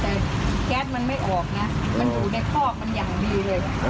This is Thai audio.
แต่แก๊สมันไม่ออกนะมันอยู่ในคอกมันอย่างดีเลย